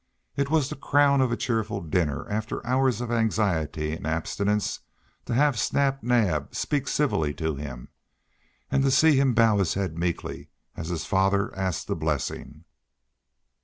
It was the crown of a cheerful dinner after hours of anxiety and abstinence to have Snap Naab speak civilly to him, and to see him bow his head meekly as his father asked the blessing.